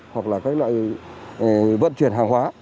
hoặc là các loại vận chuyển hàng hóa